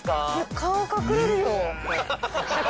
顔隠れるよ。